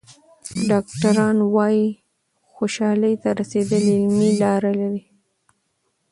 ډاکټران وايي خوشحالۍ ته رسېدل علمي لاره لري.